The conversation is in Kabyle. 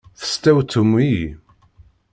Testewtwem-iyi!